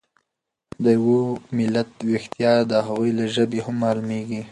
د یو ملت ويښتیا د هغوی له ژبې هم مالومیږي.